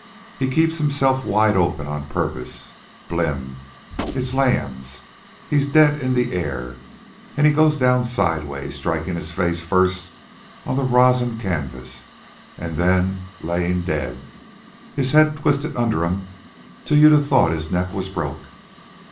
He keeps himself wide open on purpose. Blim! It lands. He's dead in the air, an' he goes down sideways, strikin' his face first on the rosin canvas an' then layin' dead, his head twisted under 'm till you'd a thought his neck was broke.